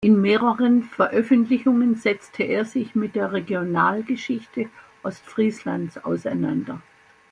In mehreren Veröffentlichungen setzte er sich mit der Regionalgeschichte Ostfrieslands auseinander.